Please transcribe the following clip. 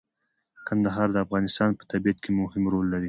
کندهار د افغانستان په طبیعت کې مهم رول لري.